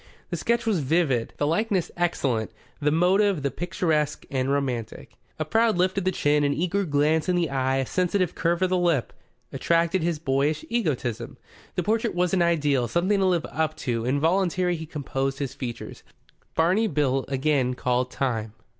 The sketch was vivid, the likeness excellent; the motive, the picturesque and romantic. A proud lift of the chin, an eager glance in the eye, a sensitive curve of the lip attracted his boyish egotism. The portrait was an ideal, something to live up to. Involuntarily he composed his features. Barney Bill again called time.